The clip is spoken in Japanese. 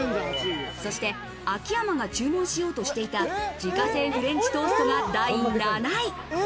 そして秋山が注文しようとしていた自家製フレンチトーストが第７位。